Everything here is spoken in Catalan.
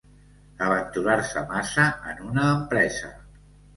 Aventurar-se massa en una empresa.